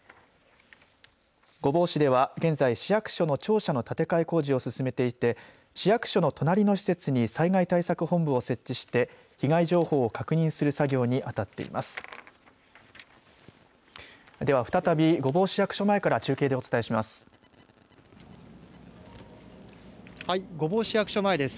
御坊市では現在、市役所の庁舎の建て替え工事を進めていて市役所の隣の施設に災害対策本部を設置して被害情報を確認する作業にあたっています。